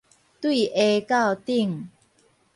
對下到頂